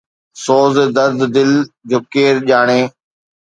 سوز درد دل جو ڪير ڄاڻي